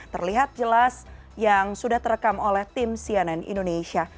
terlihat jelas yang sudah terekam oleh tim cnn indonesia